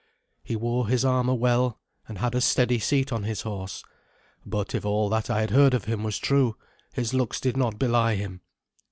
He wore his armour well, and had a steady seat on his horse; but, if all that I had heard of him was true, his looks did not belie him.